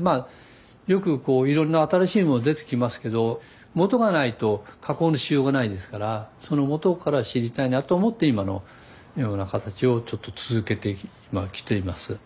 まあよくこういろんな新しいもの出てきますけど元がないと加工のしようがないですからその元から知りたいなと思って今のような形をちょっと続けてきています。